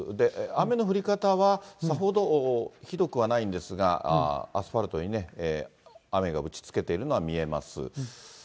雨の降り方は、さほどひどくはないんですが、アスファルトにね、雨が打ちつけているのは見えます。